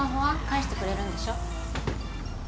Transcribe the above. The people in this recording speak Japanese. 返してくれるんでしょ